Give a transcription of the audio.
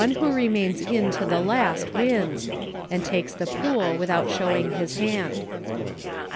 who remains in to the last wins, and takes th \ pool without showing his hand.